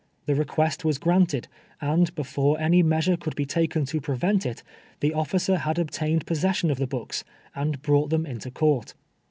The request was granted, and before any meas ure could be taken to prevent it, the officer had ob tained possession of the books, and br(jught them into court.